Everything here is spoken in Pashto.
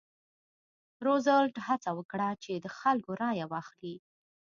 روزولټ هڅه وکړه چې د خلکو رایه واخلي.